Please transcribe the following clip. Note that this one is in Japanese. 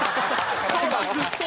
ずっと。